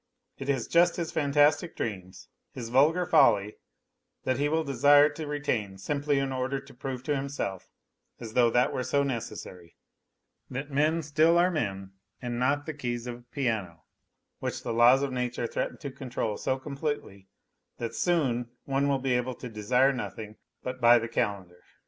It is just his fantastic dreams, his vulgar folly that he will desire to retain, simply in order to prove to himself as though that were so necessary that men still are men and not the keys of a piano, which the laws of nature threaten to control so completely that soon one will be able to desire nothing but by the calendar.